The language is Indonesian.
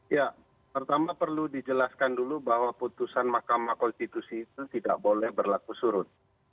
ya pertama perlu dijelaskan dulu bahwa putusan mahkamah konstitusi itu tidak boleh berlaku surut